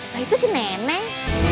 baik tuh si nenek